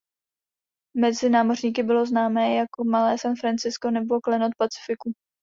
Mezi námořníky bylo známé jako "„Malé San Francisco“" nebo "„Klenot Pacifiku“".